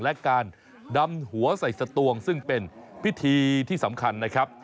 และการดำหัวใส่สตวงซึ่งเป็นพิธีที่สำคัญนะครับ